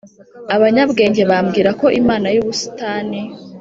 abanyabwenge bambwira ko imana yubusitani